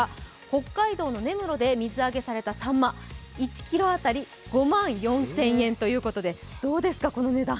北海道の根室で水揚げされたさんま、１ｋｇ当たり５万４０００円ということでどうですか、この値。